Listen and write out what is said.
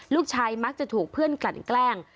ลูกชายมักจะถูกเพื่อนกลั่นแกล้ง